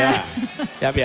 malam final ini saya buka